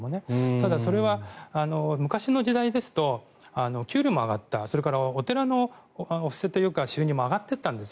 ただ、それは昔の時代ですと給料も上がったお寺のお布施というか収入も上がっていったんです。